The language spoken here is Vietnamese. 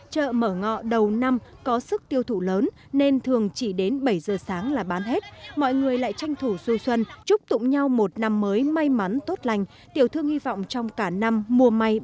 chợ mở ngọ đầu năm có sức tiêu thụ lớn nên thường chỉ đến bảy giờ sáng là bán hết mọi người lại tranh thủ du xuân chúc tụng nhau một năm mới may mắn tốt lành tiểu thương hy vọng trong cả năm mua may bán